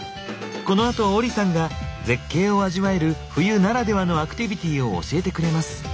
このあとオリさんが絶景を味わえる冬ならではのアクティビティを教えてくれます。